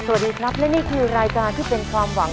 สวัสดีครับและนี่คือรายการที่เป็นความหวัง